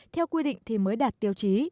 theo quy định thì mới đạt tiêu chí